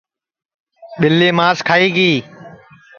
ٻیلی ماس کھائی گی